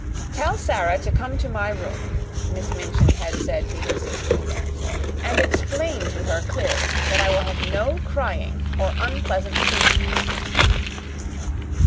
"Tell Sara to come to my room," Miss Minchin had said to her sister. "And explain to her clearly that I will have no crying or unpleasant scenes."